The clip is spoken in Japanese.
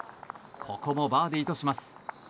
ここもバーディーとします。